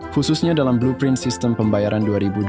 khususnya dalam blueprint sistem pembayaran dua ribu dua puluh